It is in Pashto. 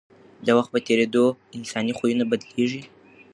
د وخت په تېرېدو انساني خویونه بدلېږي.